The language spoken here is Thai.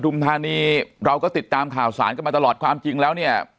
ธานีเราก็ติดตามข่าวสารกันมาตลอดความจริงแล้วเนี่ย